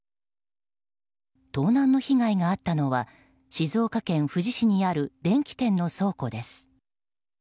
盗難の被害があったのは静岡県富士市にある電気店の倉庫です。